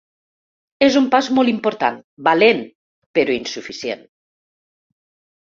És un pas molt important, valent, però insuficient.